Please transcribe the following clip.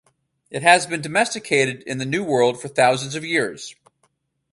It has been domesticated in the New World for thousands of years.